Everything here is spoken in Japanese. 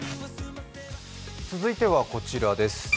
続いてはこちらです。